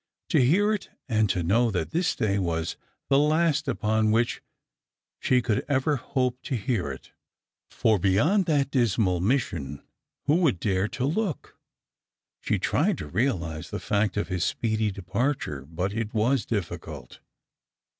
— to hear it and to know that this day was the last upon which she could ever hope to hear it; for beyond that dismal mission who would dare to look P She tried to realise the fact of his speedy departure, but it was difficult.